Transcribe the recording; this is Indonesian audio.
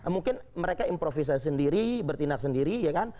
mungkin mereka improvisasi sendiri bertindak sendiri ya kan